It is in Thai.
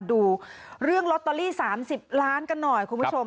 ดูเรื่องลอตเตอรี่๓๐ล้านกันหน่อยคุณผู้ชม